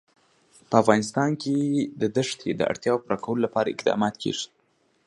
په افغانستان کې د دښتې د اړتیاوو پوره کولو لپاره اقدامات کېږي.